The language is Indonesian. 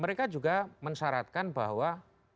mereka juga mensyaratkan bahwa